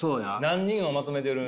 何人をまとめている？